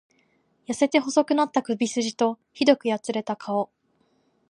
痩せて細くなった首すじと、酷くやつれた顔。